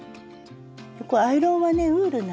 ここアイロンはね